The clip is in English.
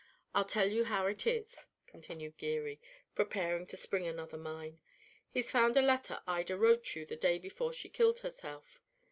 I'll tell you how it is," continued Geary, preparing to spring another mine; "he's found a letter Ida wrote you the day before she killed herself."